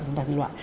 chúng ta thanh loại